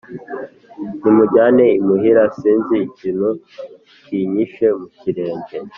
Nimunjyane imuhira, sinzi ikintu kinyishe mu kirenge